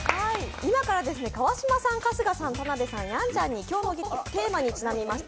今から川島さん春日さん、田辺さんやんちゃんに今日のテーマにちなみました